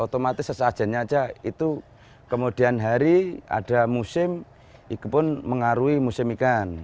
otomatis sesajennya saja itu kemudian hari ada musim itu pun mengarui musim ikan